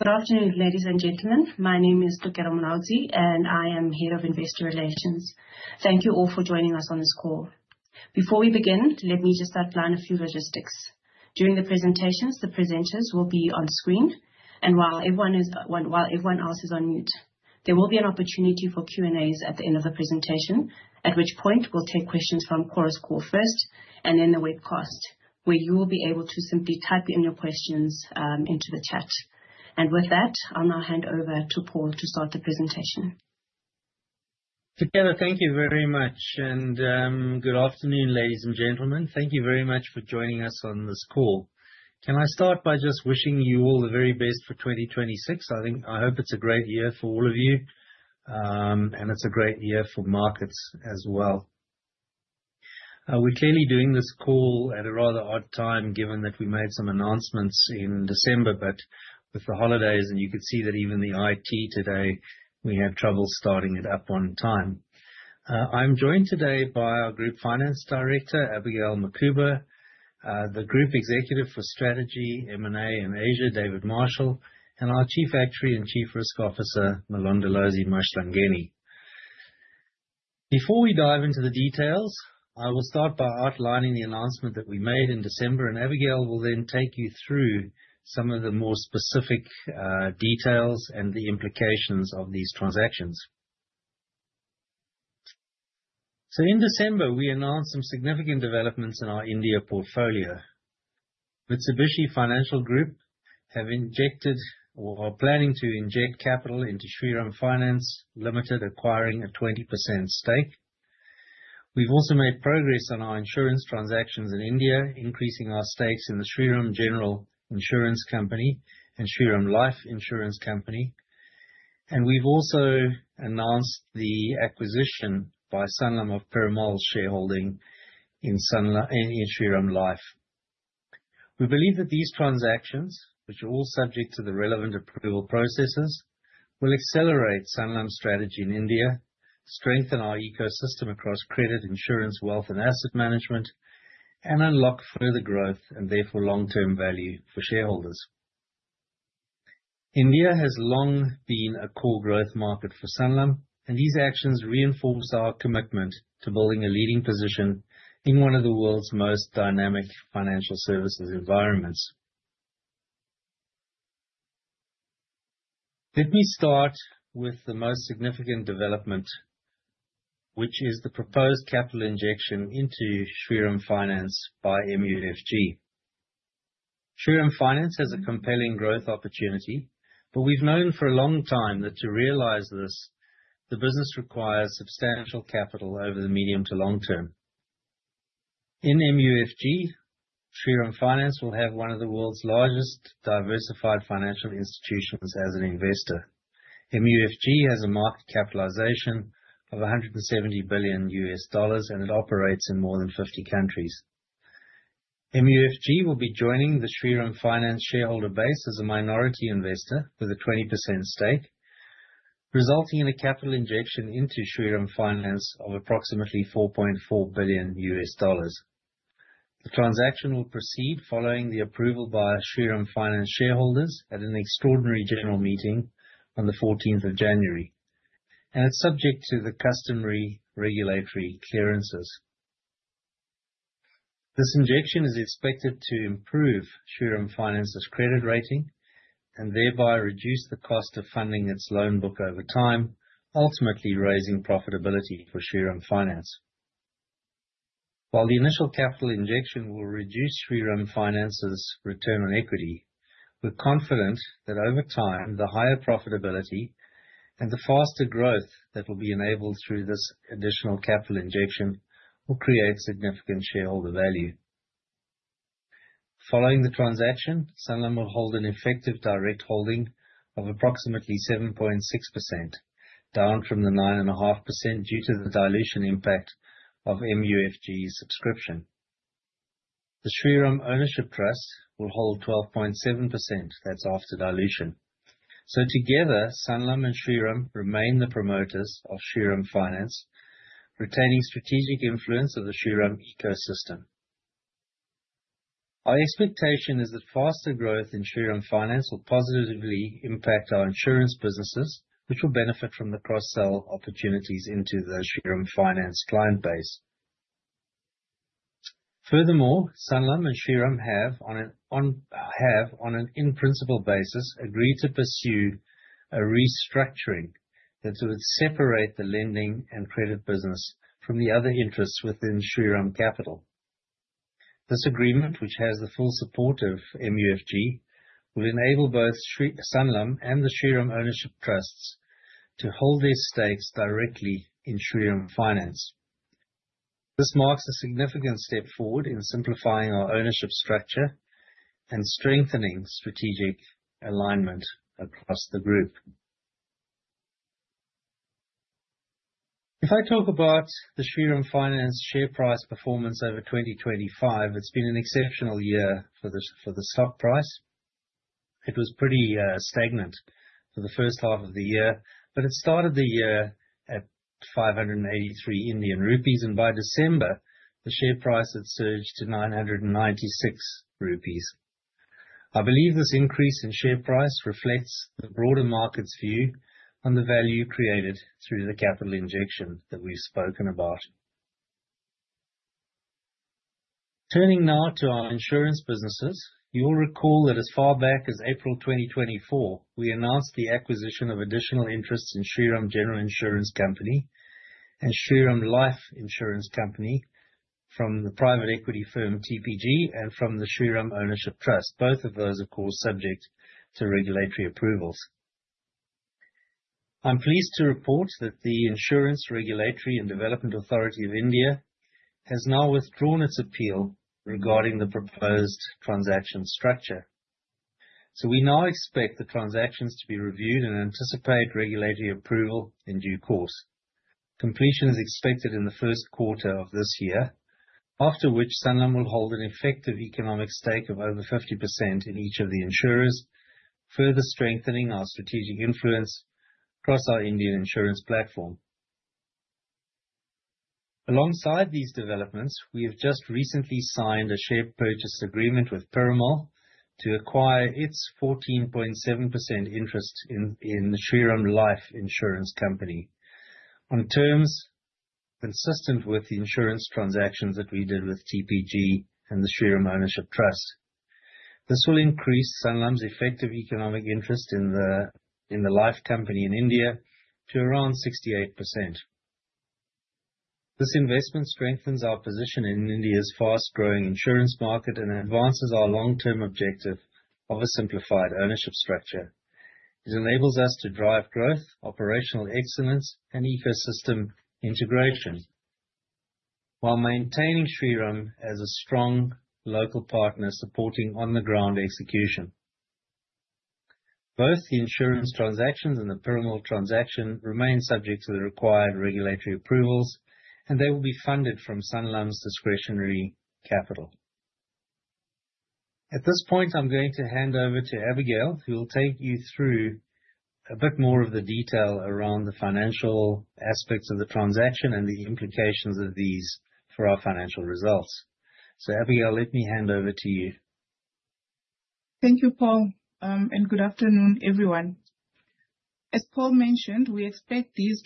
Good afternoon, ladies and gentlemen. My name is Tokero Monaozi, and I am Head of Investor Relations. Thank you all for joining us on this call. Before we begin, let me just outline a few logistics. During the presentations, the presenters will be on screen, while everyone else is on mute. There will be an opportunity for Q&As at the end of the presentation, at which point we'll take questions from Chorus Call first and then the webcast, where you will be able to simply type in your questions into the chat. With that, I'll now hand over to Paul to start the presentation. Tokero, thank you very much. Good afternoon, ladies and gentlemen. Thank you very much for joining us on this call. Can I start by just wishing you all the very best for 2026? I hope it's a great year for all of you, and it's a great year for markets as well. We're clearly doing this call at a rather odd time, given that we made some announcements in December, but with the holidays and you could see that even the IT today, we have trouble starting it up on time. I'm joined today by our Group Finance Director, Abigail Mukhuba, the Group Executive for Strategy, M&A and Asia, David Marshall, and our Chief Actuary and Chief Risk Officer, Nhlanhla Mahlangu. Before we dive into the details, I will start by outlining the announcement that we made in December, Abigail will then take you through some of the more specific details and the implications of these transactions. In December, we announced some significant developments in our India portfolio. Mitsubishi UFJ Financial Group have injected or are planning to inject capital into Shriram Finance Limited, acquiring a 20% stake. We've also made progress on our insurance transactions in India, increasing our stakes in the Shriram General Insurance Company and Shriram Life Insurance Company. We've also announced the acquisition by Sanlam of Piramal shareholding in Shriram Life. We believe that these transactions, which are all subject to the relevant approval processes, will accelerate Sanlam's strategy in India, strengthen our ecosystem across credit, insurance, wealth, and asset management, and unlock further growth and therefore long-term value for shareholders. India has long been a core growth market for Sanlam, these actions reinforce our commitment to building a leading position in one of the world's most dynamic financial services environments. Let me start with the most significant development, which is the proposed capital injection into Shriram Finance by MUFG. Shriram Finance has a compelling growth opportunity, but we've known for a long time that to realize this, the business requires substantial capital over the medium to long term. In MUFG, Shriram Finance will have one of the world's largest diversified financial institutions as an investor. MUFG has a market capitalization of $170 billion, and it operates in more than 50 countries. MUFG will be joining the Shriram Finance shareholder base as a minority investor with a 20% stake, resulting in a capital injection into Shriram Finance of approximately $4.4 billion. The transaction will proceed following the approval by Shriram Finance shareholders at an extraordinary general meeting on the 14th of January, and it is subject to the customary regulatory clearances. This injection is expected to improve Shriram Finance's credit rating and thereby reduce the cost of funding its loan book over time, ultimately raising profitability for Shriram Finance. While the initial capital injection will reduce Shriram Finance's return on equity, we are confident that over time, the higher profitability and the faster growth that will be enabled through this additional capital injection will create significant shareholder value. Following the transaction, Sanlam will hold an effective direct holding of approximately 7.6%, down from the 9.5% due to the dilution impact of MUFG subscription. The Shriram Ownership Trust will hold 12.7%. That is after dilution. So together, Sanlam and Shriram remain the promoters of Shriram Finance, retaining strategic influence of the Shriram ecosystem. Furthermore, Sanlam and Shriram have on an in-principle basis, agreed to pursue a restructuring that would separate the lending and credit business from the other interests within Shriram Capital. This agreement, which has the full support of MUFG, will enable both Sanlam and the Shriram Ownership Trusts to hold their stakes directly in Shriram Finance. This marks a significant step forward in simplifying our ownership structure and strengthening strategic alignment across the group. If I talk about the Shriram Finance share price performance over 2025, it has been an exceptional year for the stock price. It was pretty stagnant for the first half of the year, but it started the year at 583 Indian rupees, and by December, the share price had surged to 996 rupees. I believe this increase in share price reflects the broader market's view on the value created through the capital injection that we have spoken about. Turning now to our insurance businesses. You will recall that as far back as April 2024, we announced the acquisition of additional interests in Shriram General Insurance Company and Shriram Life Insurance Company from the private equity firm TPG and from the Shriram Ownership Trust. Both of those, of course, subject to regulatory approvals. I am pleased to report that the Insurance Regulatory and Development Authority of India has now withdrawn its appeal regarding the proposed transaction structure. So we now expect the transactions to be reviewed and anticipate regulatory approval in due course. Completion is expected in the first quarter of this year, after which Sanlam will hold an effective economic stake of over 50% in each of the insurers, further strengthening our strategic influence across our Indian insurance platform. Alongside these developments, we have just recently signed a share purchase agreement with Piramal to acquire its 14.7% interest in the Shriram Life Insurance Company on terms consistent with the insurance transactions that we did with TPG and the Shriram Ownership Trust. This will increase Sanlam's effective economic interest in the life company in India to around 68%. This investment strengthens our position in India's fast-growing insurance market and advances our long-term objective of a simplified ownership structure. It enables us to drive growth, operational excellence, and ecosystem integration while maintaining Shriram as a strong local partner supporting on-the-ground execution. Both the insurance transactions and the Piramal transaction remain subject to the required regulatory approvals, and they will be funded from Sanlam's discretionary capital. At this point, I am going to hand over to Abigail, who will take you through a bit more of the detail around the financial aspects of the transaction and the implications of these for our financial results. Abigail, let me hand over to you. Thank you, Paul. Good afternoon, everyone. As Paul mentioned, we expect these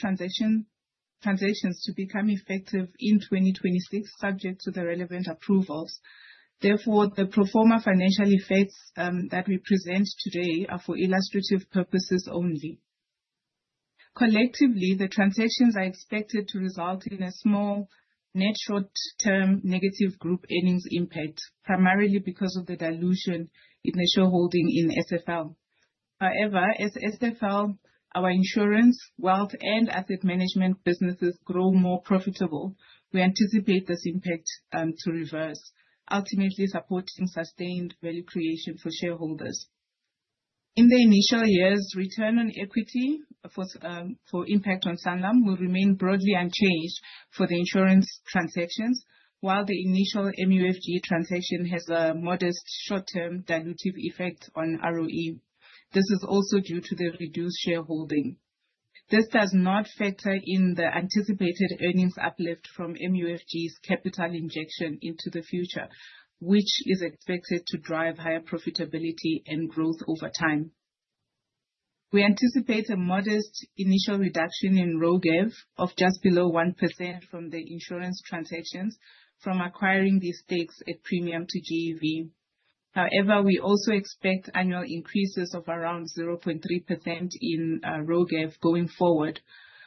transitions to become effective in 2026, subject to the relevant approvals. Therefore, the pro forma financial effects that we present today are for illustrative purposes only. Collectively, the transactions are expected to result in a small net short-term negative group earnings impact, primarily because of the dilution in the shareholding in SFL. However, as SFL, our insurance, wealth, and asset management businesses grow more profitable, we anticipate this impact to reverse, ultimately supporting sustained value creation for shareholders. In the initial years, return on equity for impact on Sanlam will remain broadly unchanged for the insurance transactions, while the initial MUFG transaction has a modest short-term dilutive effect on ROE. This is also due to the reduced shareholding. This does not factor in the anticipated earnings uplift from MUFG's capital injection into the future, which is expected to drive higher profitability and growth over time. We anticipate a modest initial reduction in ROGAV of just below 1% from the insurance transactions from acquiring these stakes at premium to GEV. However, we also expect annual increases of around 0.3% in ROGAV going forward,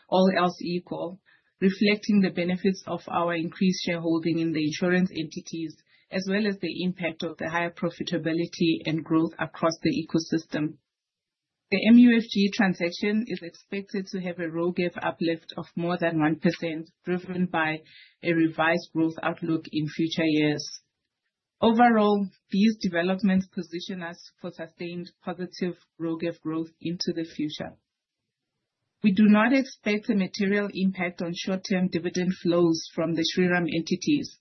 all else equal, reflecting the benefits of our increased shareholding in the insurance entities as well as the impact of the higher profitability and growth across the ecosystem. The MUFG transaction is expected to have a ROGAV uplift of more than 1%, driven by a revised growth outlook in future years. Overall, these developments position us for sustained positive ROGAV growth into the future. We do not expect a material impact on short-term dividend flows from the Shriram entities.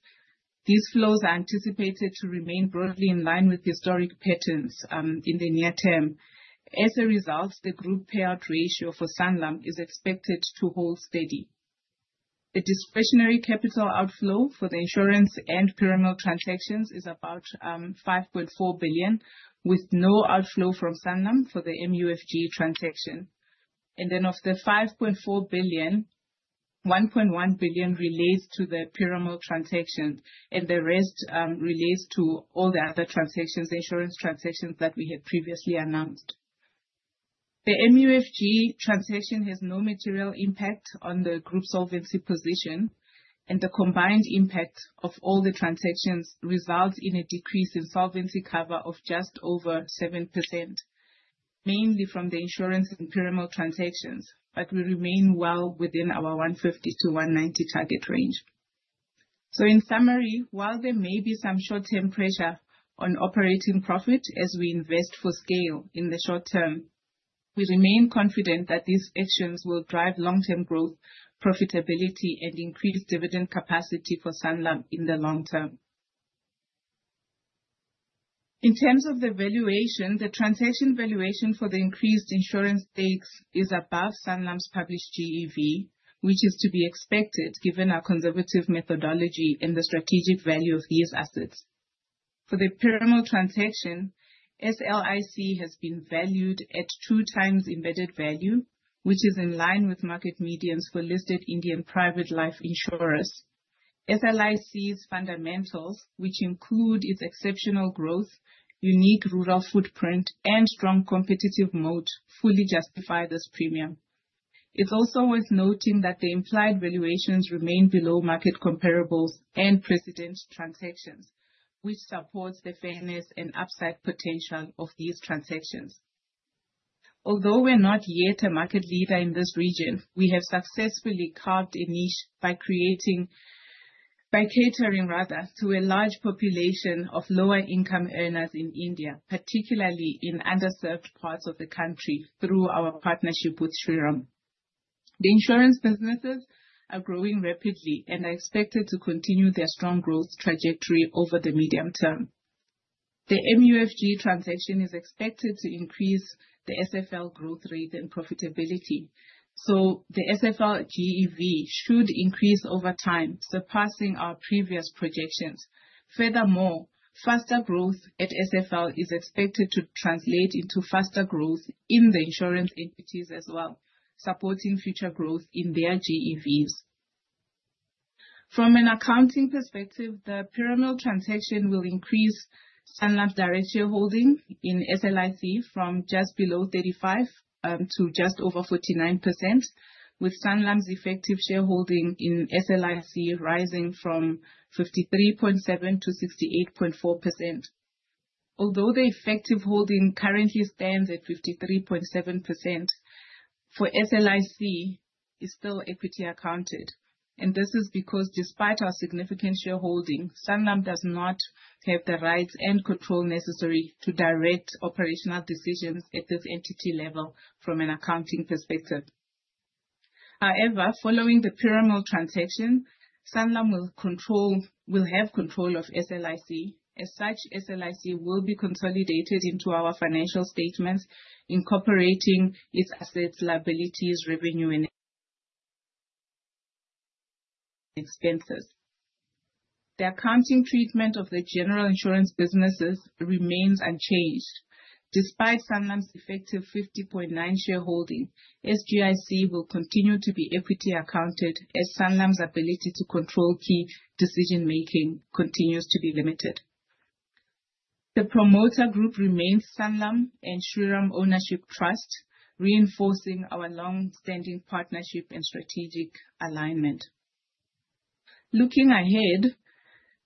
These flows are anticipated to remain broadly in line with historic patterns in the near term. As a result, the group payout ratio for Sanlam is expected to hold steady. The discretionary capital outflow for the insurance and Piramal transactions is about 5.4 billion, with no outflow from Sanlam for the MUFG transaction. Of the 5.4 billion, 1.1 billion relates to the Piramal transaction and the rest relates to all the other transactions, the insurance transactions that we had previously announced. The MUFG transaction has no material impact on the group solvency position, and the combined impact of all the transactions results in a decrease in solvency cover of just over 7%, mainly from the insurance and Piramal transactions, but we remain well within our 150%-190% target range. In summary, while there may be some short-term pressure on operating profit as we invest for scale in the short term, we remain confident that these actions will drive long-term growth, profitability, and increased dividend capacity for Sanlam in the long term. In terms of the valuation, the transaction valuation for the increased insurance stakes is above Sanlam's published GEV, which is to be expected given our conservative methodology and the strategic value of these assets. For the Piramal transaction, SLIC has been valued at 2 times embedded value, which is in line with market medians for listed Indian private life insurers. SLIC's fundamentals, which include its exceptional growth, unique rural footprint, and strong competitive moat, fully justify this premium. It's also worth noting that the implied valuations remain below market comparables and precedent transactions, which supports the fairness and upside potential of these transactions. Although we're not yet a market leader in this region, we have successfully carved a niche by catering, rather, to a large population of lower income earners in India, particularly in underserved parts of the country, through our partnership with Shriram. The insurance businesses are growing rapidly and are expected to continue their strong growth trajectory over the medium term. The MUFG transaction is expected to increase the SFL growth rate and profitability. The SFL GEV should increase over time, surpassing our previous projections. Furthermore, faster growth at SFL is expected to translate into faster growth in the insurance entities as well, supporting future growth in their GEVs. From an accounting perspective, the Piramal transaction will increase Sanlam's direct shareholding in SLIC from just below 35% to just over 49%, with Sanlam's effective shareholding in SLIC rising from 53.7% to 68.4%. Although the effective holding currently stands at 53.7%, for SLIC, it's still equity accounted. This is because despite our significant shareholding, Sanlam does not have the rights and control necessary to direct operational decisions at this entity level from an accounting perspective. However, following the Piramal transaction, Sanlam will have control of SLIC. As such, SLIC will be consolidated into our financial statements, incorporating its assets, liabilities, revenue, and expenses. The accounting treatment of the general insurance businesses remains unchanged. Despite Sanlam's effective 50.9% shareholding, SGIC will continue to be equity accounted as Sanlam's ability to control key decision-making continues to be limited. The promoter group remains Sanlam and Shriram Ownership Trust, reinforcing our long-standing partnership and strategic alignment. Looking ahead,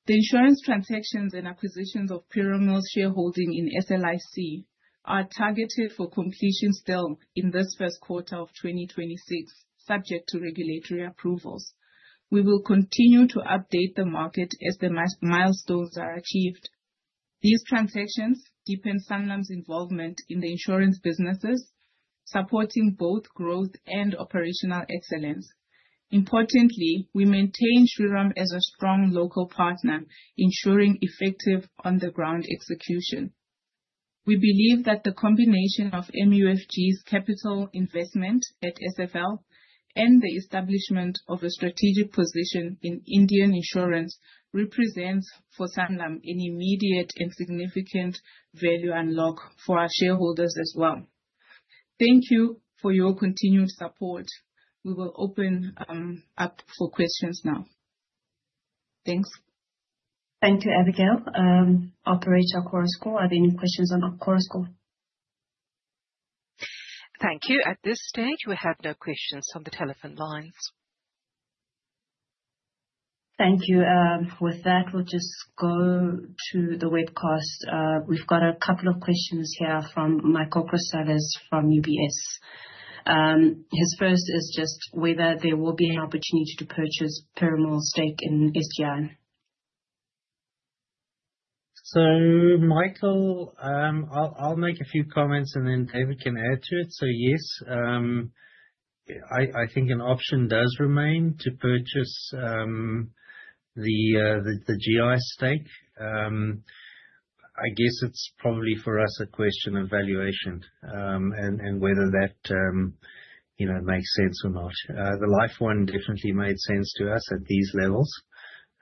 the insurance transactions and acquisitions of Piramal's shareholding in SLIC are targeted for completion still in this first quarter of 2026, subject to regulatory approvals. We will continue to update the market as the milestones are achieved. These transactions deepen Sanlam's involvement in the insurance businesses, supporting both growth and operational excellence. Importantly, we maintain Shriram as a strong local partner, ensuring effective on-the-ground execution. We believe that the combination of MUFG's capital investment at SFL and the establishment of a strategic position in Indian insurance represents for Sanlam an immediate and significant value unlock for our shareholders as well. Thank you for your continued support. We will open up for questions now. Thanks. Thank you, Abigail. Operator, Chorus Call. Are there any questions on Chorus Call? Thank you. At this stage, we have no questions on the telephone lines. Thank you. With that, we'll just go to the webcast. We've got a couple of questions here from Michael Christelis from UBS. His first is just whether there will be an opportunity to purchase Piramal stake in SGIC. Michael Christelis, I'll make a few comments and then David can add to it. Yes, I think an option does remain to purchase the GI stake. I guess it's probably for us a question of valuation, and whether that makes sense or not. The life one definitely made sense to us at these levels.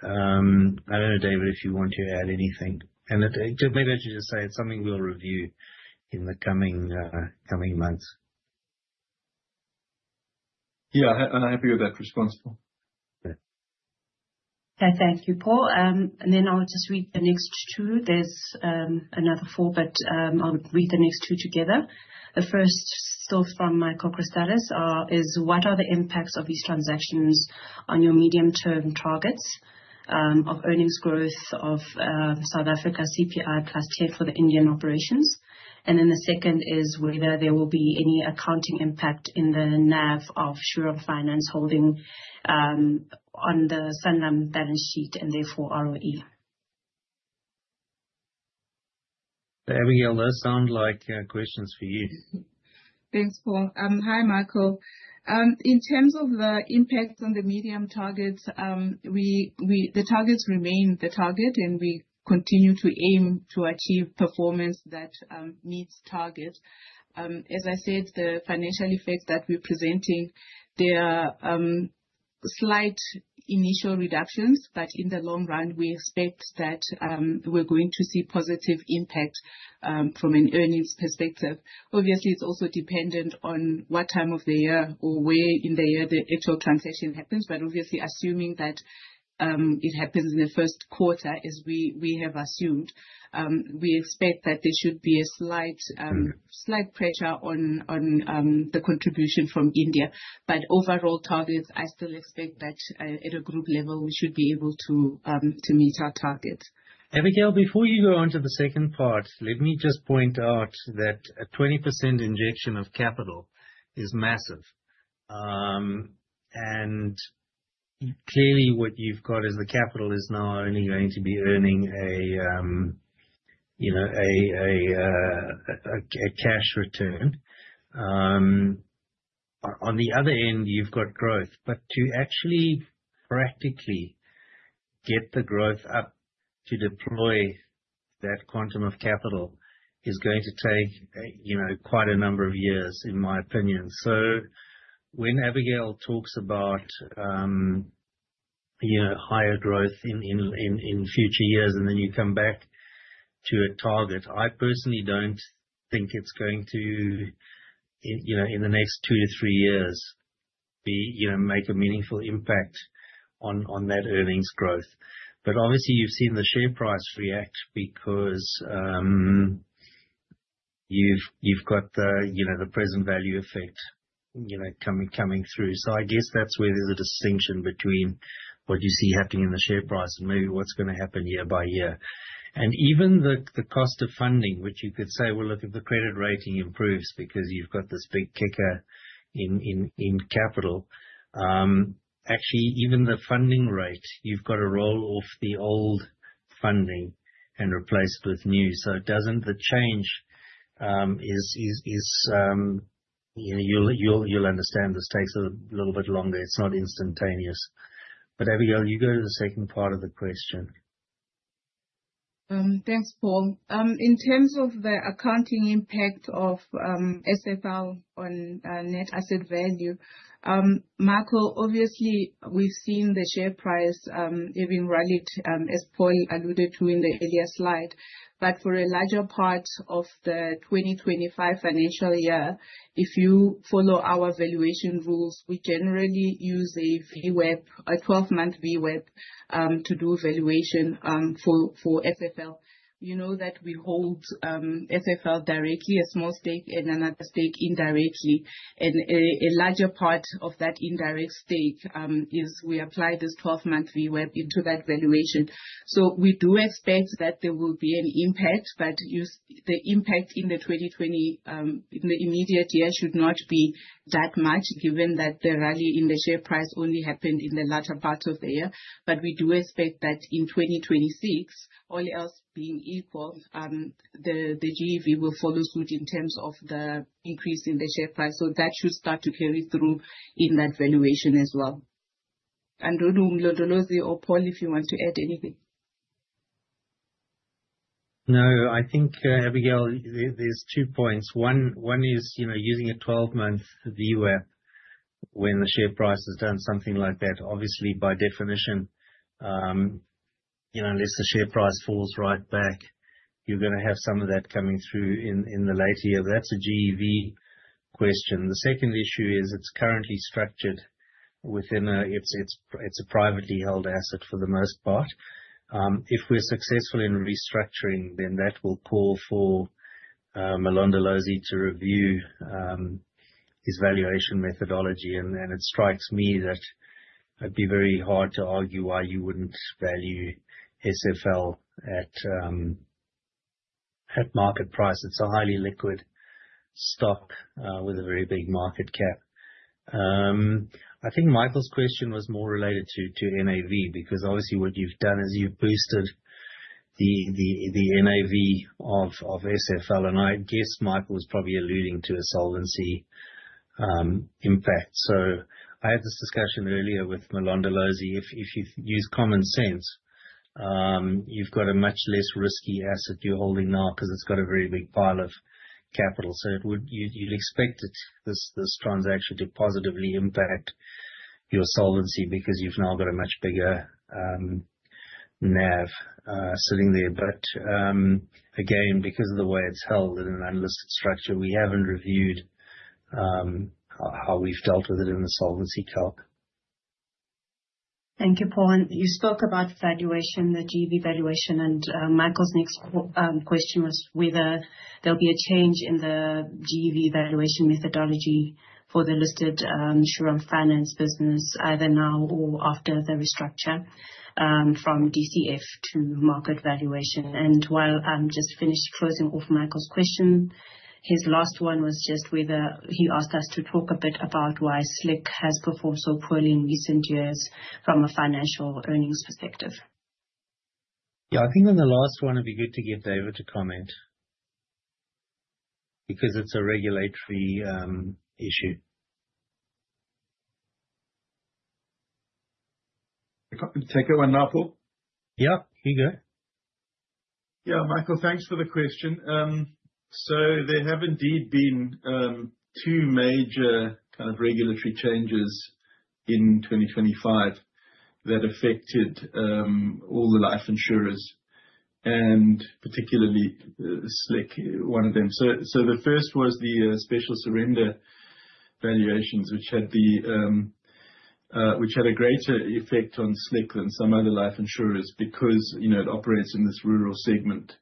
I don't know, David, if you want to add anything. Maybe I should just say it's something we'll review in the coming months. Yeah, I agree with that response, Paul. Yeah. Okay. Thank you, Paul. I'll just read the next two. There's another four, but I'll read the next two together. The first, still from Michael Christelis, is what are the impacts of these transactions on your medium-term targets of earnings growth of South Africa CPI plus 10 for the Indian operations? The second is whether there will be any accounting impact in the NAV of Shriram Finance holding on the Sanlam balance sheet, and therefore ROE. Abigail, those sound like questions for you. Thanks, Paul. Hi, Michael. In terms of the impact on the medium targets, the targets remain the target, we continue to aim to achieve performance that meets targets. As I said, the financial effects that we're presenting, they are slight initial reductions, but in the long run, we expect that we're going to see positive impact from an earnings perspective. Obviously, it's also dependent on what time of the year or where in the year the actual transaction happens. Obviously, assuming that it happens in the first quarter, as we have assumed, we expect that there should be a slight pressure on the contribution from India. Overall targets, I still expect that at a group level, we should be able to meet our targets. Abigail, before you go on to the second part, let me just point out that a 20% injection of capital is massive. Clearly what you've got is the capital is now only going to be earning a cash return. On the other end, you've got growth. To actually practically get the growth up to deploy that quantum of capital is going to take quite a number of years, in my opinion. When Abigail talks about higher growth in future years, and then you come back to a target, I personally don't think it's going to, in the next two to three years, make a meaningful impact on that earnings growth. Obviously you've seen the share price react because you've got the present value effect coming through. I guess that's where there's a distinction between what you see happening in the share price and maybe what's going to happen year by year. Even the cost of funding, which you could say, well, look, if the credit rating improves because you've got this big kicker in capital. Actually, even the funding rate, you've got to roll off the old funding and replace it with new. The change is, you'll understand, this takes a little bit longer. It's not instantaneous. Abigail, you go to the second part of the question. Thanks, Paul. In terms of the accounting impact of SFL on net asset value. Michael, obviously we've seen the share price even rallied, as Paul alluded to in the earlier slide. For a larger part of the 2025 financial year, if you follow our valuation rules, we generally use a 12-month VWAP to do valuation for SFL. You know that we hold SFL directly, a small stake and another stake indirectly. A larger part of that indirect stake is we apply this 12-month VWAP into that valuation. We do expect that there will be an impact, but the impact in the immediate year should not be that much, given that the rally in the share price only happened in the latter part of the year. We do expect that in 2026, all else being equal, the GEV will follow suit in terms of the increase in the share price. That should start to carry through in that valuation as well. Androlu, Mhlo dolosi, or Paul, if you want to add anything. No, I think, Abigail, there's two points. One is using a 12-month VWAP when the share price has done something like that. Obviously, by definition, unless the share price falls right back, you're going to have some of that coming through in the later year. That's a GEV question. The second issue is it's currently structured within a, it's a privately held asset for the most part. If we're successful in restructuring, that will call for Mhlo dolosi to review his valuation methodology. It strikes me that it'd be very hard to argue why you wouldn't value SFL at market price. It's a highly liquid stock with a very big market cap. I think Michael's question was more related to NAV, because obviously what you've done is you've boosted the NAV of SFL, I guess Michael was probably alluding to a solvency impact. I had this discussion earlier with Mhlo dolosi. If you use common sense, you've got a much less risky asset you're holding now because it's got a very big pile of capital. You'd expect this transaction to positively impact your solvency because you've now got a much bigger NAV sitting there. Again, because of the way it's held in an unlisted structure, we haven't reviewed how we've dealt with it in the solvency calc. Thank you, Paul. You spoke about valuation, the GEV valuation, Michael's next question was whether there'll be a change in the GEV valuation methodology for the listed insurance finance business either now or after the restructure from DCF to market valuation. While I'm just finished closing off Michael's question, his last one was just whether he asked us to talk a bit about why SLIC has performed so poorly in recent years from a financial earnings perspective. I think on the last one, it'd be good to get David to comment because it's a regulatory issue. I'm happy to take that one now, Paul. Yeah, here you go. Michael, thanks for the question. There have indeed been two major regulatory changes in 2025 that affected all the life insurers and particularly SLIC, one of them. The first was the special surrender valuations, which had a greater effect on SLIC than some other life insurers because it operates in this rural segment.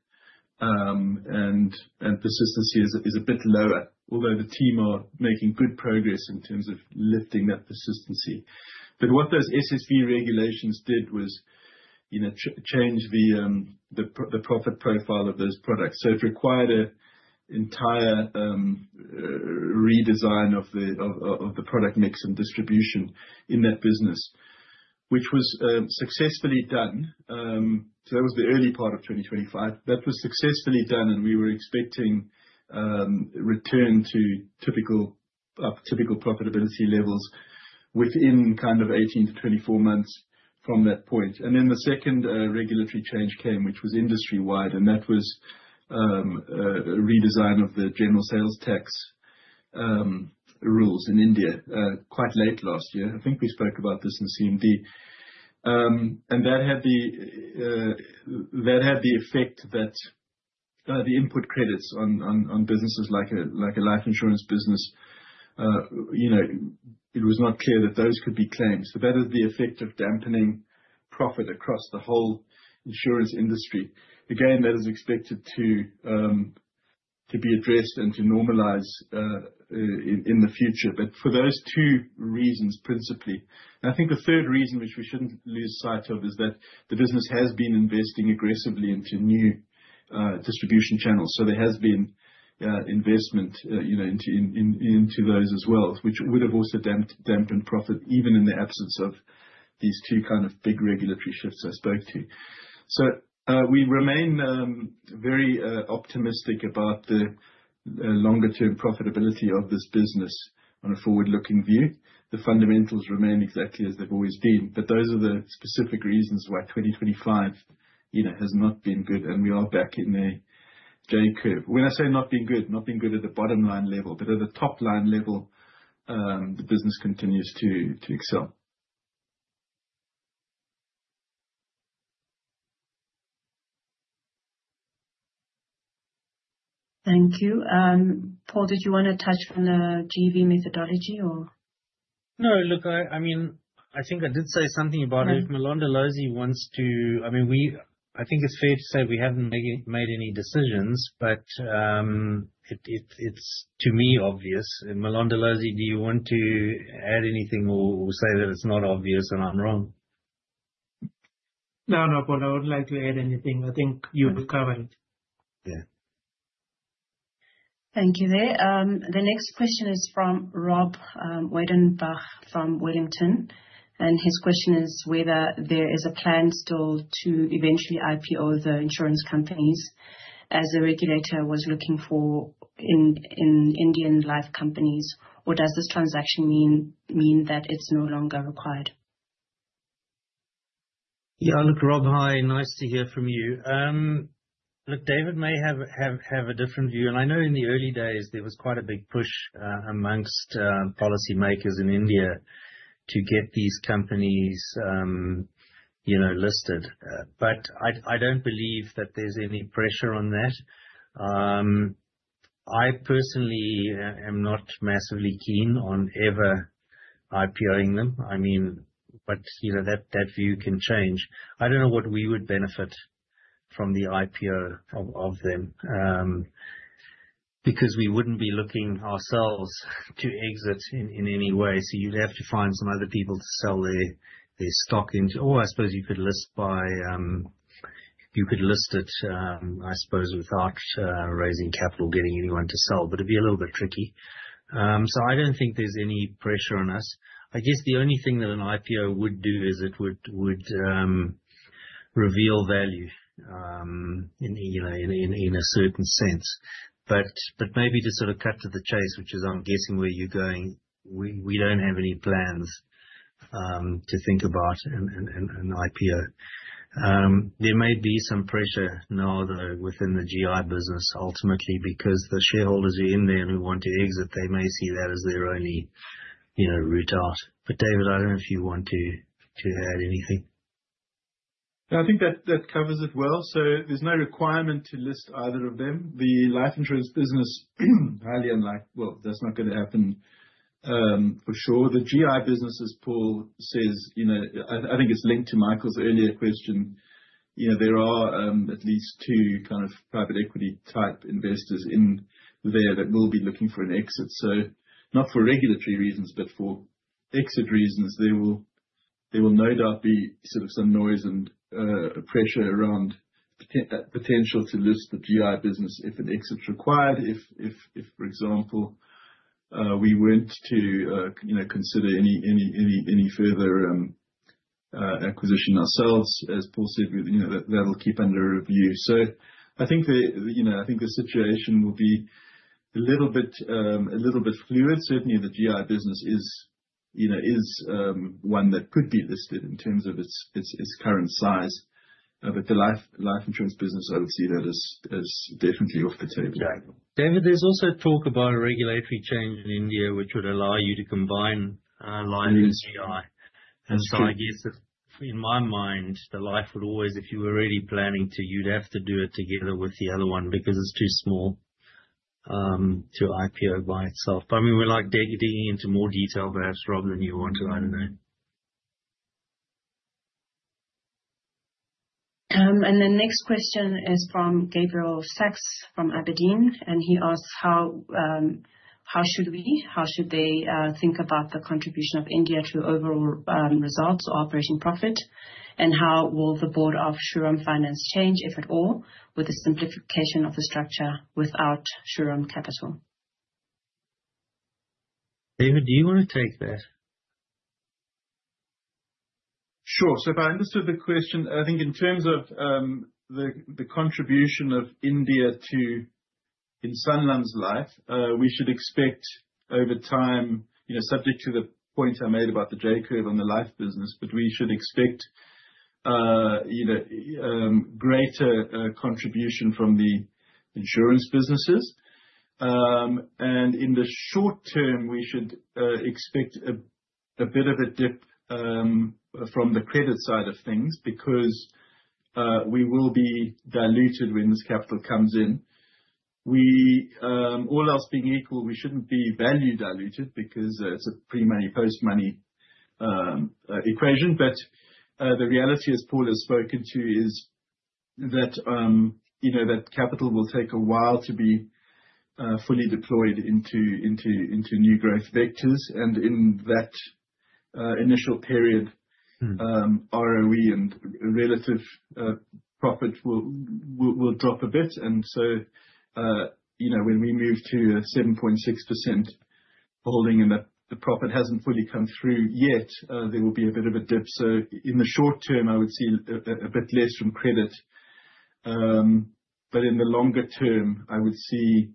Persistency is a bit lower, although the team are making good progress in terms of lifting that persistency. What those SSV regulations did was change the profit profile of those products. It required an entire redesign of the product mix and distribution in that business, which was successfully done. That was the early part of 2025. That was successfully done, and we were expecting return to typical profitability levels within kind of 18 to 24 months from that point. The second regulatory change came, which was industry-wide, and that was a redesign of the Goods and Services Tax rules in India quite late last year. I think we spoke about this in CMD. That had the effect that the input credits on businesses like a life insurance business, it was not clear that those could be claimed. That had the effect of dampening profit across the whole insurance industry. Again, that is expected to be addressed and to normalize in the future. For those two reasons, principally. I think the third reason, which we shouldn't lose sight of, is that the business has been investing aggressively into new distribution channels. There has been investment into those as well, which would have also dampened profit even in the absence of these two kind of big regulatory shifts I spoke to. We remain very optimistic about the longer-term profitability of this business on a forward-looking view. The fundamentals remain exactly as they've always been. Those are the specific reasons why 2025 has not been good, and we are back in a J-curve. When I say not been good, not been good at the bottom line level, but at the top-line level, the business continues to excel. Thank you. Paul, did you want to touch on the GEV methodology or? Look, I think I did say something about it. If Malonda Lozi wants to. I think it's fair to say we haven't made any decisions, it's to me obvious. Malonda Lozi, do you want to add anything or say that it's not obvious and I'm wrong? Paul, I wouldn't like to add anything. I think you've covered. Yeah. Thank you there. The next question is from Rob Weidenbach from Wellington, and his question is whether there is a plan still to eventually IPO the insurance companies as the regulator was looking for in Indian life companies. Does this transaction mean that it's no longer required? Yeah. Look, Rob, hi. Nice to hear from you. Look, David may have a different view. I know in the early days, there was quite a big push amongst policymakers in India to get these companies listed. I don't believe that there's any pressure on that. I personally am not massively keen on ever IPO-ing them. That view can change. I don't know what we would benefit from the IPO of them. Because we wouldn't be looking ourselves to exit in any way. You'd have to find some other people to sell their stock into. I suppose you could list it, I suppose, without raising capital, getting anyone to sell, but it'd be a little bit tricky. I don't think there's any pressure on us. I guess the only thing that an IPO would do is it would reveal value in a certain sense. Maybe to sort of cut to the chase, which is I'm guessing where you're going, we don't have any plans to think about an IPO. There may be some pressure now, though, within the GI business ultimately because the shareholders who are in there who want to exit, they may see that as their only route out. David, I don't know if you want to add anything. No, I think that covers it well. There's no requirement to list either of them. The life insurance business, highly unlikely. Well, that's not going to happen for sure. The GI business, as Paul says, I think it's linked to Michael's earlier question. There are at least two kind of private equity-type investors in there that will be looking for an exit. Not for regulatory reasons, but for exit reasons. There will no doubt be sort of some noise and pressure around that potential to list the GI business if an exit is required. If, for example, we were to consider any further acquisition ourselves, as Paul said, that we'll keep under review. I think the situation will be a little bit fluid. Certainly, the GI business is one that could be listed in terms of its current size. The life insurance business, I would see that as definitely off the table. David, there is also talk about a regulatory change in India which would allow you to combine life with GI. That is true. I guess if, in my mind, the life would always, if you were really planning to, you would have to do it together with the other one because it is too small to IPO by itself. We are digging into more detail perhaps, Rob, than you want to. I do not know. The next question is from Gabriel Sax from Aberdeen, and he asks, how should they think about the contribution of India to overall results or operating profit? How will the board of Shriram Finance change, if at all, with the simplification of the structure without Shriram Capital? David, do you want to take that? Sure. If I understood the question, I think in terms of the contribution of India to, in Sanlam's life, we should expect over time, subject to the point I made about the J-curve on the life business. We should expect greater contribution from the insurance businesses. In the short term, we should expect a bit of a dip from the credit side of things because, we will be diluted when this capital comes in. All else being equal, we shouldn't be value diluted because it's a pre-money, post-money equation. The reality, as Paul has spoken to is that capital will take a while to be fully deployed into new growth vectors. In that initial period- ROE and relative profit will drop a bit. When we move to a 7.6% holding and the profit hasn't fully come through yet, there will be a bit of a dip. In the short term, I would see a bit less from credit. In the longer term, I would see,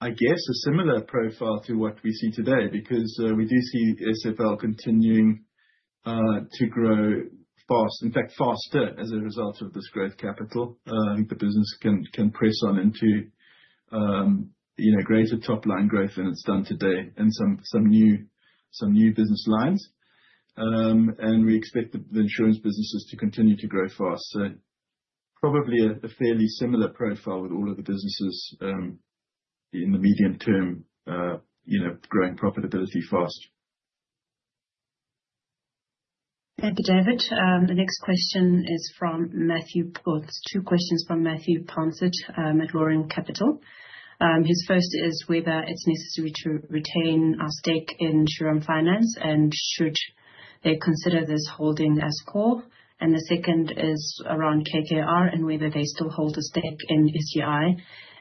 I guess, a similar profile to what we see today because we do see SFL continuing to grow fast. In fact, faster as a result of this growth capital. I think the business can press on into greater top-line growth than it's done today in some new business lines. We expect the insurance businesses to continue to grow fast. Probably a fairly similar profile with all of the businesses, in the medium term, growing profitability fast. Thank you, David. The next question is from Matthew Potts. Two questions from Matthew Potts at Roaring Capital. His first is whether it's necessary to retain our stake in Shriram Finance, and should they consider this holding as core. The second is around KKR and whether they still hold a stake in SGIC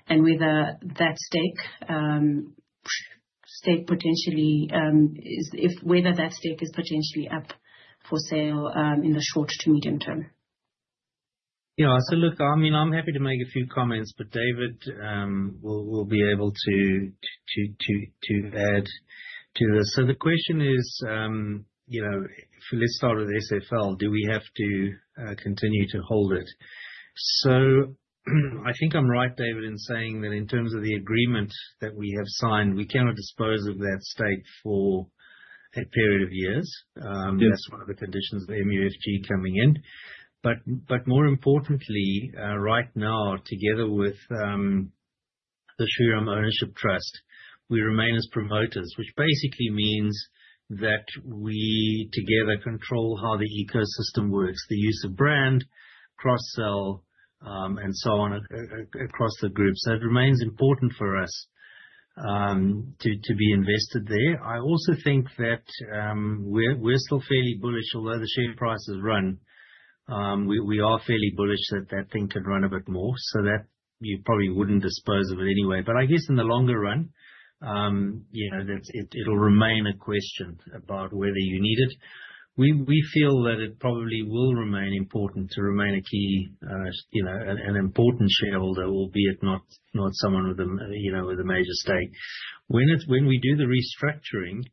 and whether that stake is potentially up for sale in the short to medium term. Yeah. Look, I'm happy to make a few comments, but David will be able to add to this. The question is, let's start with SFL. Do we have to continue to hold it? I think I'm right, David, in saying that in terms of the agreement that we have signed, we cannot dispose of that stake for a period of years. Yes. That's one of the conditions of MUFG coming in. More importantly, right now, together with the Shriram Ownership Trust, we remain as promoters. Which basically means that we together control how the ecosystem works. The use of brand, cross-sell, and so on across the group. It remains important for us to be invested there. I also think that we're still fairly bullish, although the share price has run. We are fairly bullish that thing could run a bit more so that you probably wouldn't dispose of it anyway. I guess in the longer run, it'll remain a question about whether you need it. We feel that it probably will remain important to remain an important shareholder, albeit not someone with a major stake. When we do the restructuring,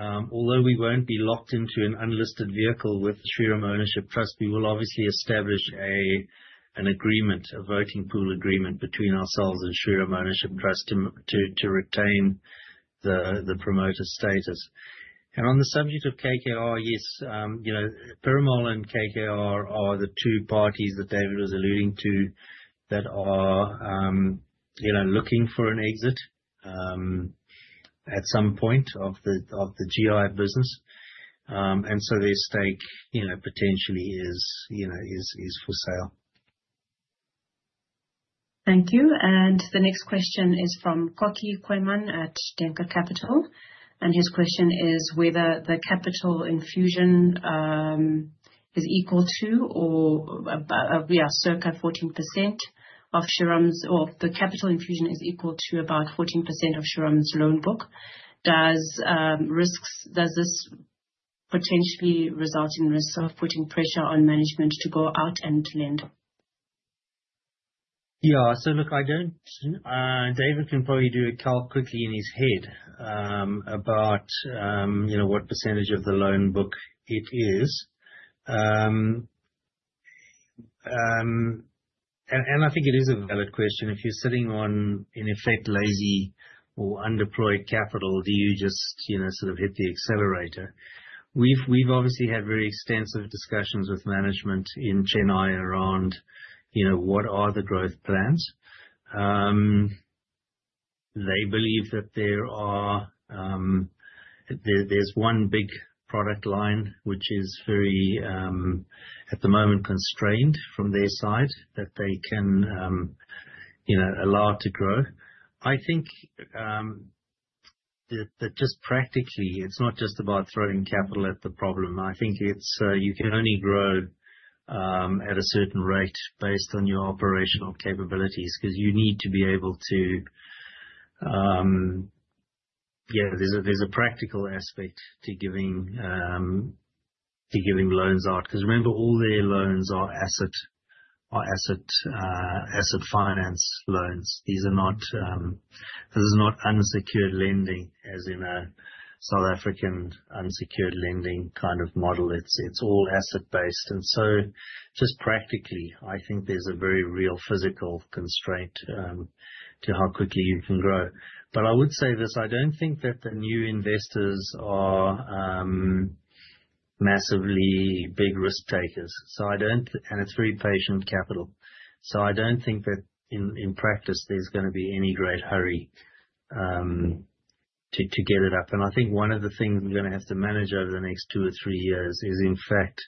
although we won't be locked into an unlisted vehicle with the Shriram Ownership Trust, we will obviously establish an agreement, a voting pool agreement between ourselves and Shriram Ownership Trust to retain the promoter status. On the subject of KKR, yes. Piramal and KKR are the two parties that David was alluding to that are looking for an exit at some point of the GI business. Their stake potentially is for sale. Thank you. The next question is from Kokkie Kooyman at Denker Capital, and his question is whether the capital infusion is equal to or circa 14% of Shriram's, or the capital infusion is equal to about 14% of Shriram's loan book. Does this potentially result in risks of putting pressure on management to go out and lend? Yeah. Look, David can probably do a count quickly in his head about what percentage of the loan book it is. I think it is a valid question. If you're sitting on, in effect, lazy or undeployed capital, do you just sort of hit the accelerator? We've obviously had very extensive discussions with management in Chennai around what are the growth plans. They believe that there's one big product line, which is very, at the moment, constrained from their side that they can allow to grow. I think that just practically, it's not just about throwing capital at the problem. I think you can only grow at a certain rate based on your operational capabilities, there's a practical aspect to giving loans out, because remember, all their loans are asset finance loans. This is not unsecured lending, as in a South African unsecured lending kind of model. It's all asset-based. Just practically, I think there's a very real physical constraint to how quickly you can grow. I would say this. I don't think that the new investors are massively big risk-takers. It's very patient capital. I don't think that in practice there's going to be any great hurry to get it up. I think one of the things we're going to have to manage over the next two or three years is, in fact,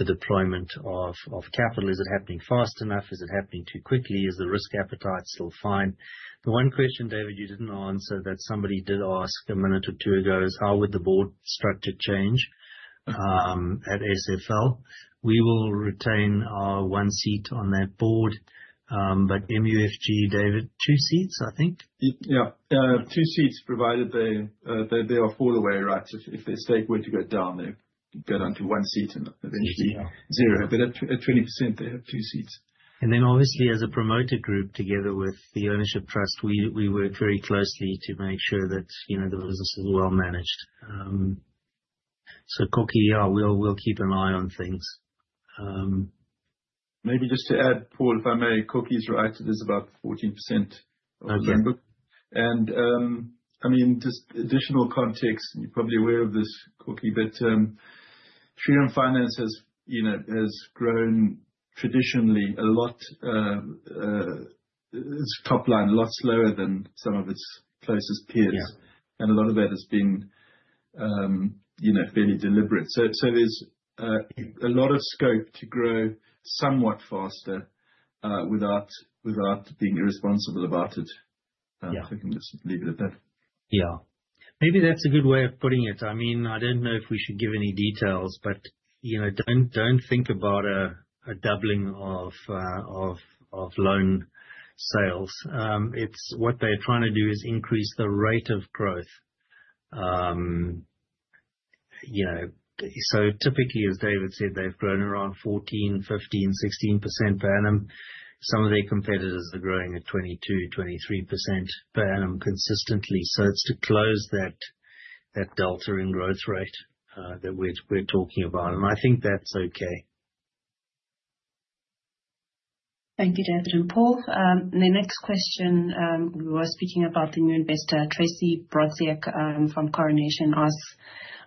the deployment of capital. Is it happening fast enough? Is it happening too quickly? Is the risk appetite still fine? The one question, David, you didn't answer that somebody did ask a minute or two ago, is how would the board structure change at SFL? We will retain our one seat on that board. MUFG, David, two seats, I think? Yeah. 2 seats, provided they are for the way right. If their stake were to go down, they go down to 1 seat and eventually 0. At 20%, they have 2 seats. Obviously, as a promoter group, together with the Ownership Trust, we work very closely to make sure that the business is well managed. Kokkie, yeah, we'll keep an eye on things. Maybe just to add, Paul, if I may. Kokkie's right. It is about 14% of the loan book. Okay. Just additional context, you're probably aware of this, Kokkie, but Shriram Finance has grown traditionally a lot. Its top line a lot slower than some of its closest peers. Yeah. A lot of that has been very deliberate. There's a lot of scope to grow somewhat faster without being irresponsible about it. Yeah. I think I'll just leave it at that. Maybe that's a good way of putting it. I don't know if we should give any details, but don't think about a doubling of loan sales. What they're trying to do is increase the rate of growth. Typically, as David said, they've grown around 14%, 15%, 16% per annum. Some of their competitors are growing at 22%, 23% per annum consistently. It's to close that delta in growth rate that we're talking about. I think that's okay. Thank you, David and Paul. The next question, we were speaking about the new investor, Tracy Brodziak from Coronation asks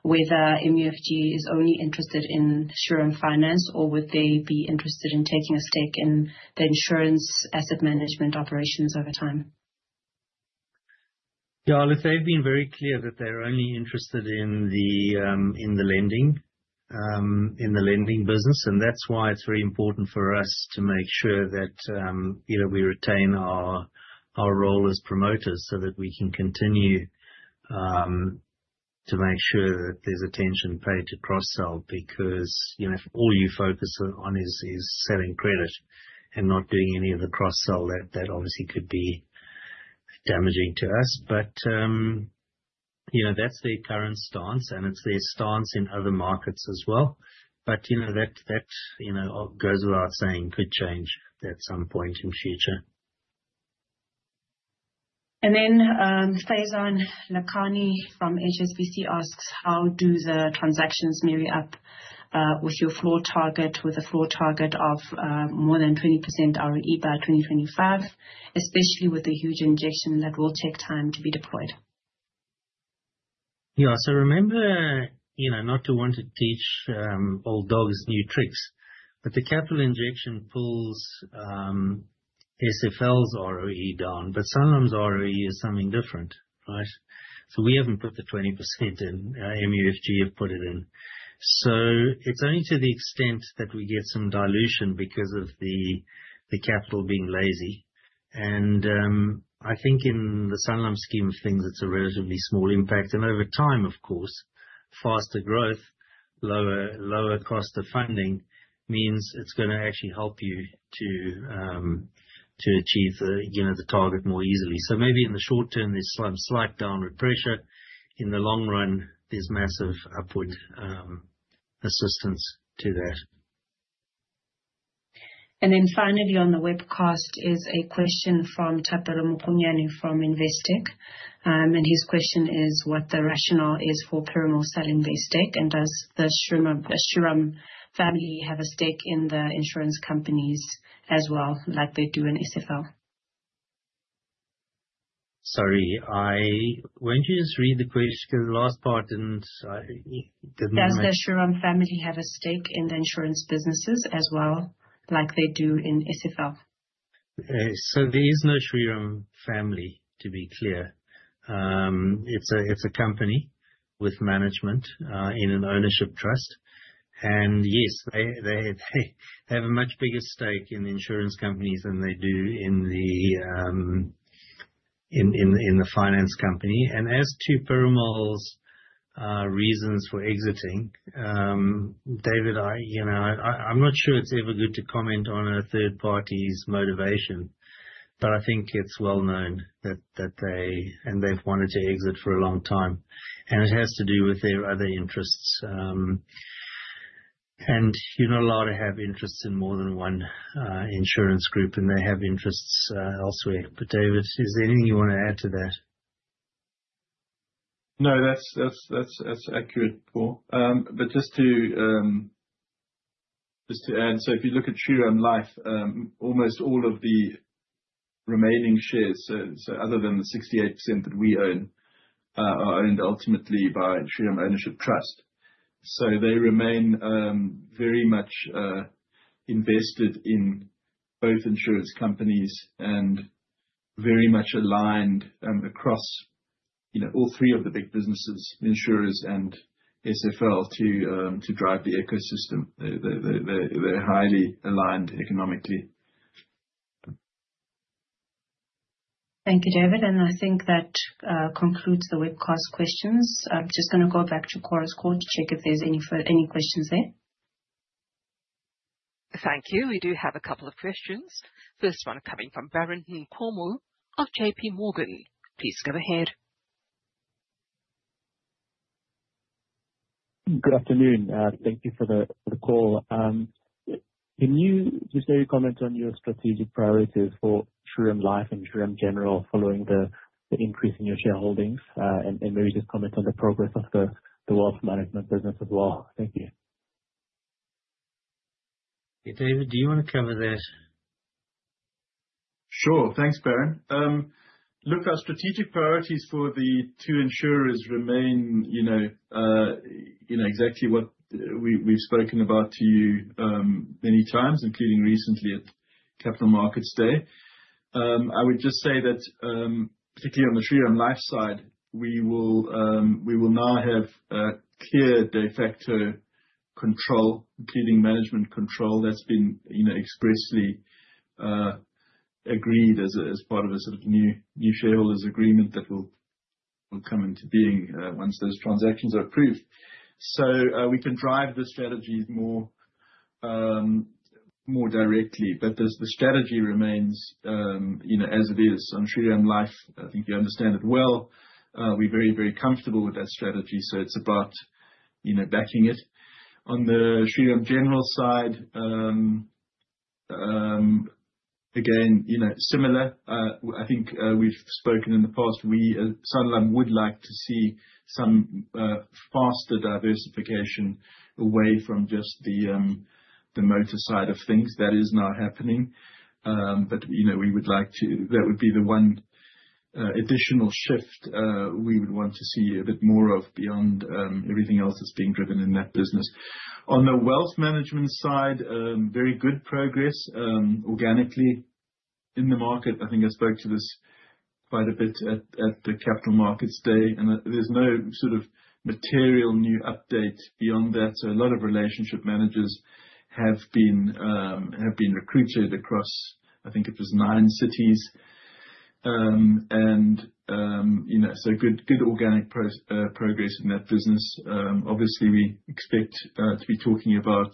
whether MUFG is only interested in Shriram Finance or would they be interested in taking a stake in the insurance asset management operations over time? Look, they've been very clear that they're only interested in the lending business. That's why it's very important for us to make sure that we retain our role as promoters so that we can continue to make sure that there's attention paid to cross-sell. Because if all you focus on is selling credit and not doing any of the cross-sell, that obviously could be damaging to us. That's their current stance, and it's their stance in other markets as well. That goes without saying could change at some point in future. Faizan Lakhani from HSBC asks, how do the transactions marry up with your floor target, with a floor target of more than 20% ROE by 2025, especially with the huge injection that will take time to be deployed? Remember, not to want to teach old dogs new tricks, the capital injection pulls SFL's ROE down. Sanlam's ROE is something different, right? We haven't put the 20% in. MUFG have put it in. It's only to the extent that we get some dilution because of the capital being lazy. I think in the Sanlam scheme of things, it's a relatively small impact. Over time, of course, faster growth, lower cost of funding means it's going to actually help you to achieve the target more easily. Maybe in the short term, there's some slight downward pressure. In the long run, there's massive upward assistance to that. Finally on the webcast is a question from Thapelo Mokonyane from Investec. His question is what the rationale is for Piramal selling their stake, and does the Shriram family have a stake in the insurance companies as well, like they do in SFL? Sorry. Why don't you just read the question? Does the Shriram family have a stake in the insurance businesses as well, like they do in SFL? There is no Shriram family, to be clear. It's a company with management in an ownership trust. Yes, they have a much bigger stake in the insurance companies than they do in the finance company. As to Piramal's reasons for exiting, David, I'm not sure it's ever good to comment on a third party's motivation. I think it's well known that they've wanted to exit for a long time, and it has to do with their other interests. You're not allowed to have interest in more than one insurance group, and they have interests elsewhere. David, is there anything you want to add to that? No, that's accurate, Paul. Just to add, so if you look at Shriram Life, almost all of the remaining shares, so other than the 68% that we own, are owned ultimately by Shriram Ownership Trust. They remain very much invested in both insurance companies and very much aligned across all three of the big businesses, insurers and SFL, to drive the ecosystem. They're highly aligned economically. Thank you, David. I think that concludes the webcast questions. I'm just going to go back to Chorus Call to check if there's any questions there. Thank you. We do have a couple of questions. First one coming from Baran Nkormou of JP Morgan. Please go ahead. Good afternoon. Thank you for the call. Can you just maybe comment on your strategic priorities for Shriram Life and Shriram General following the increase in your shareholdings? Maybe just comment on the progress of the wealth management business as well. Thank you. David, do you want to cover that? Sure. Thanks, Baran. Look, our strategic priorities for the two insurers remain exactly what we've spoken about to you many times, including recently at Capital Markets Day. I would just say that, particularly on the Shriram Life side, we will now have clear de facto control, including management control. That's been expressly agreed as part of a sort of new shareholders agreement that will come into being once those transactions are approved. We can drive the strategies more directly. The strategy remains as it is. On Shriram Life, I think you understand it well. We're very comfortable with that strategy, so it's about backing it. On the Shriram General side, again, similar. I think we've spoken in the past. Sanlam would like to see some faster diversification away from just the motor side of things. That is now happening. That would be the one additional shift we would want to see a bit more of beyond everything else that's being driven in that business. On the wealth management side, very good progress organically in the market. I think I spoke to this quite a bit at the Capital Markets Day, and there's no sort of material new update beyond that. A lot of relationship managers have been recruited across, I think it was nine cities. Good organic progress in that business. Obviously, we expect to be talking about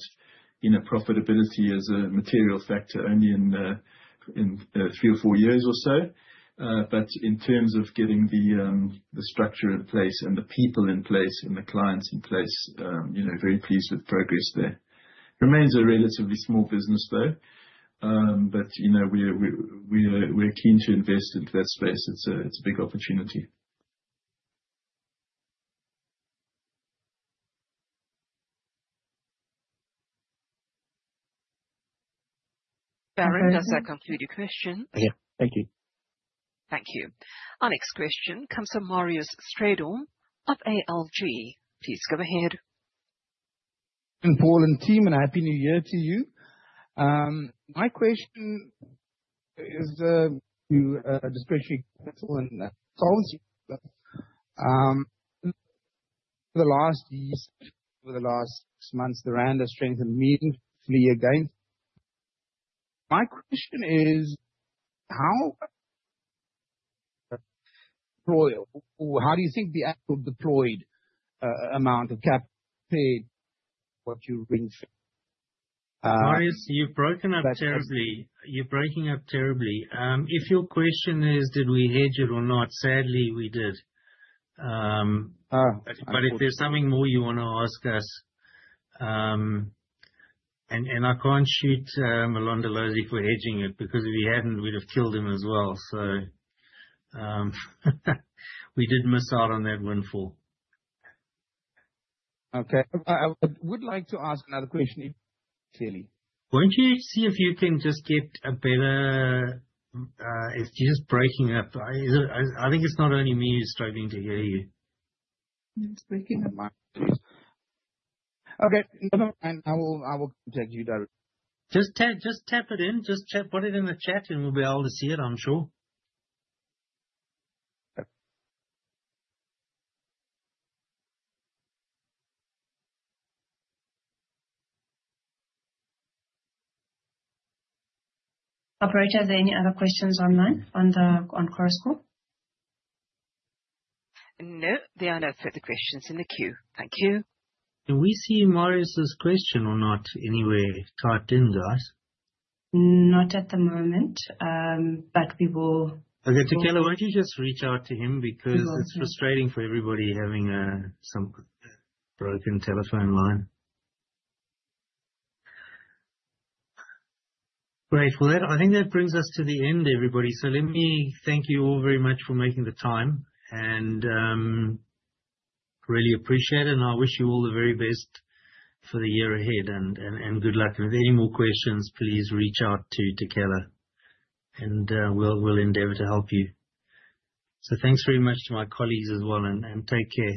profitability as a material factor only in three or four years or so. In terms of getting the structure in place and the people in place and the clients in place, very pleased with the progress there. Remains a relatively small business, though. We're keen to invest into that space. It's a big opportunity. Baran, does that conclude your question? Yeah. Thank you. Thank you. Our next question comes from Marius Strydom of ALG. Please go ahead. Paul and team, and Happy New Year to you. My question is to, just briefly, Paul and Charl. Over the last 6 months, the ZAR has strengthened meaningfully again. My question is, how do you think the actual deployed amount of cap paid what you raised? Marius, you're breaking up terribly. If your question is did we hedge it or not, sadly, we did. Oh. If there's something more you want to ask us. I can't shoot Malonda Lozi for hedging it, because if he hadn't, we'd have killed him as well. We did miss out on that windfall. Okay. I would like to ask another question, if clearly. Why don't you see if you can just get a better. You're just breaking up. I think it's not only me who's struggling to hear you. He's breaking up. Okay. Never mind. I will judge you that. Just tap it in. Just put it in the chat, and we'll be able to see it, I'm sure. Operator, are there any other questions online on Chorus Call? No. There are no further questions in the queue. Thank you. Can we see Marius's question or not anywhere typed in, guys? Not at the moment. Okay. Takela, why don't you just reach out to him because it's frustrating for everybody having some broken telephone line. Great. I think that brings us to the end, everybody. Let me thank you all very much for making the time, and really appreciate it. I wish you all the very best for the year ahead, and good luck. If any more questions, please reach out to Takela, and we'll endeavor to help you. Thanks very much to my colleagues as well, and take care.